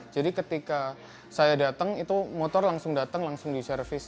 jadi ketika saya datang motor langsung datang langsung diservis